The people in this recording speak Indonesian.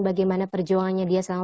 bagaimana perjuangannya dia selama